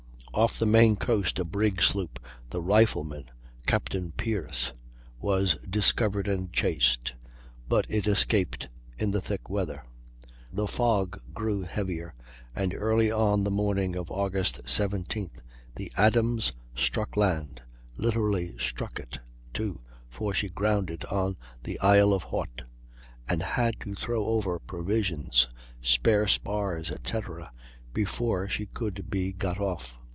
Off the Maine coast a brig sloop (the Rifleman, Capt. Pearce) was discovered and chased, but it escaped in the thick weather. The fog grew heavier, and early on the morning of Aug. 17th the Adams struck land literally struck it, too, for she grounded on the Isle of Haute, and had to throw over provisions, spare spars, etc., before she could be got off.